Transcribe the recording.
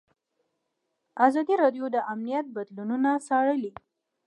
ازادي راډیو د امنیت بدلونونه څارلي.